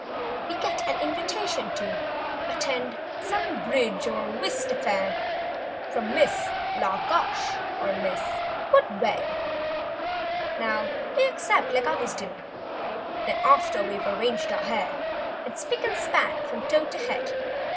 We get an invitation to Attend some bridge or whist affair. From Miss La Gush or Miss Wouldwed. Now we accept, like others do; Then after we've arranged our hair. And spic and span from toe to head.